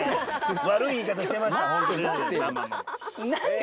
悪い言い方してました。